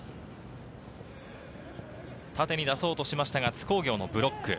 縦に出そうとしましたが津工業のブロック。